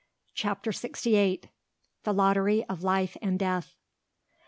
CHAPTER SIXTY EIGHT. THE LOTTERY OF LIFE AND DEATH.